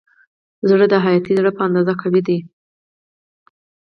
زړه د هاتي زړه په اندازه قوي دی.